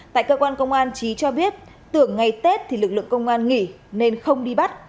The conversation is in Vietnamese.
tại cơ quan công an trí cho biết tưởng ngày tết thì lực lượng công an nghỉ nên không đi bắt